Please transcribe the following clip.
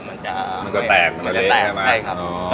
มันจะมันจะแตกมันจะแตกใช่ไหมใช่ครับอ๋อ